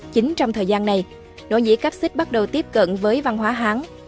chính trong thời gian này nỗ nhĩ cáp xích bắt đầu tiếp cận với văn hóa hán